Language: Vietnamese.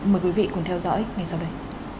mời quý vị cùng theo dõi ngày sau đây